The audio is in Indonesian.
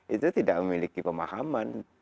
itu tidak memiliki pemahaman